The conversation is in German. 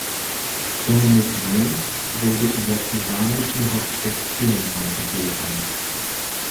Dominic Rains wurde in der iranischen Hauptstadt Teheran geboren.